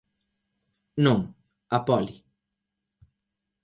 Non, a poli.